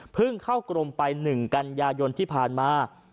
เข้ากรมไป๑กันยายนที่ผ่านมา